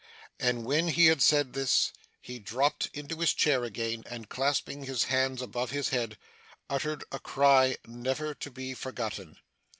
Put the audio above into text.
And when he had said this, he dropped into his chair again, and clasping his hands above his head, uttered a cry never to be forgotten.